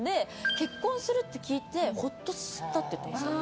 結婚するって聞いてほっとしたって言ってました。